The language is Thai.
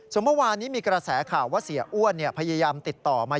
ส่วนเมื่อวานนี้มีกระแสข่าวว่าเสียอ้วนพยายามติดต่อมา